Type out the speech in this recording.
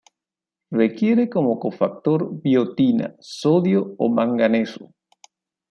Requiere como cofactor biotina, sodio o manganeso.